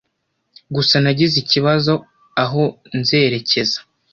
Gusa nagize ikibazo aho nzerekeza